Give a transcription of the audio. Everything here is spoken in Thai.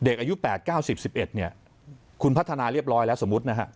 เด็กอายุแปดเก้าสิบสิบเอ็ดเนี้ยคุณพัฒนาเรียบร้อยแล้วสมมุตินะฮะ